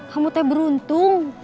kamu teh beruntung